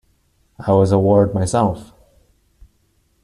I was a ward myself.